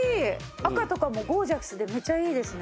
赤とかもゴージャスでめちゃいいですね。